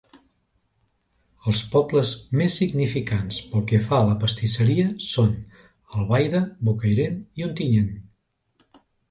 Els pobles més significants pel que fa a la pastisseria són Albaida, Bocairent i Ontinyent.